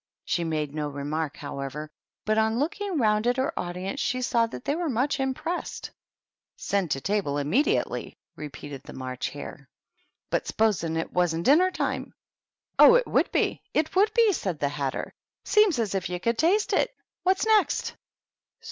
She made no re mark, however; but on looking round at her audience she saw that they were much impressed. "^ Send to table immediately !'" repeated the March Hare :" but supposin' it wasn't dinner time r THE TEA TABLE. 75 "Oh, it would be! it would beT said the Hatter. " Seems as if you could taste it ! What's next?"